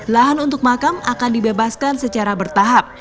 lahan untuk makam akan dibebaskan secara bertahap